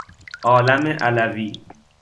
عالم علوی